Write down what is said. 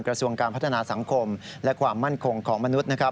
กระทรวงการพัฒนาสังคมและความมั่นคงของมนุษย์นะครับ